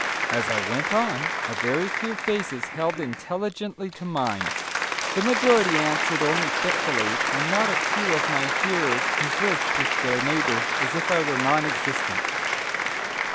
As I went on, a very few faces held intelligently to mine; the majority answered only fitfully; and not a few of my hearers conversed with their neighbours as if I were non existent.